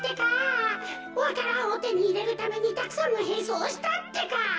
わか蘭をてにいれるためにたくさんのへんそうをしたってか。